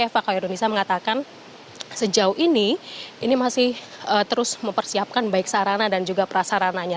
eva khairunisa mengatakan sejauh ini ini masih terus mempersiapkan baik sarana dan juga prasarananya